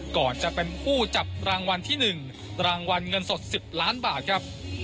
ก่อนจะเป็นผู้จับรางวัลที่๑รางวัลเงินสด๑๐ล้านบาทครับ